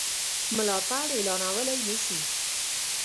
ملاتړ اعلانولای نه شو.